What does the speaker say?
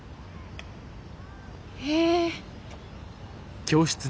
へえ。